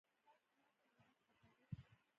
تاسو ما سره مرسته کوئ؟